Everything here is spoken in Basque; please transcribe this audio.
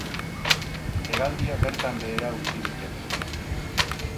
Hegaldia bertan behera utzi dute.